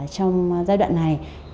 trong giai đoạn này